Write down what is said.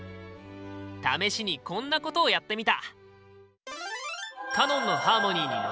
試しにこんなことをやってみた！